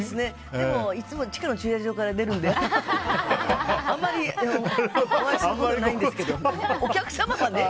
でもいつも地下の駐車場から出るんであんまりお会いすることないんですけど。